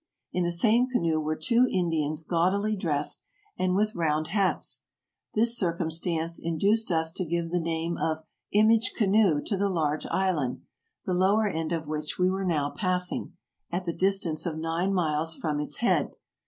In the same canoe were two Indians gaudily dressed, and with round hats. This circum stance induced us to give the name of Image Canoe to the large island, the lower end of which we were now passing, at the distance of nine miles from its head.